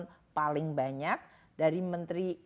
yang paling banyak dari menteri